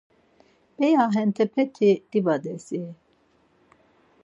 P̌eya hentepeti dibades-i!